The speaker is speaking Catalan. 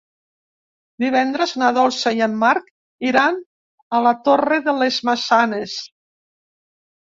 Divendres na Dolça i en Marc iran a la Torre de les Maçanes.